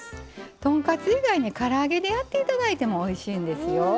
豚カツ以外でもから揚げでやっていただいてもおいしいんですよ。